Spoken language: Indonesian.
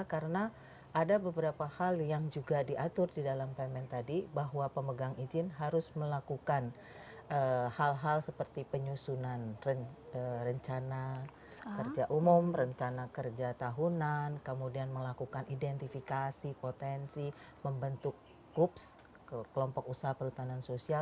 karena ada beberapa hal yang juga diatur di dalam permen tadi bahwa pemegang izin harus melakukan hal hal seperti penyusunan rencana kerja umum rencana kerja tahunan kemudian melakukan identifikasi potensi membentuk kups kelompok usaha perhutanan sosial